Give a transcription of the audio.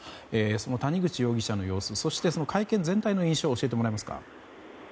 その谷口容疑者の様子そして、会見全体の印象を教えてもらえますか。